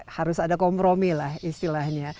harus ada kompromi lah istilahnya